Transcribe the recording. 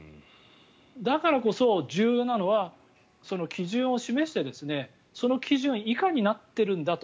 だからこそ、重要なのは基準を示してその基準以下になっているんだと。